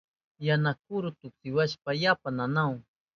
Yana kuru tuksiwashpan yapa nanawahun.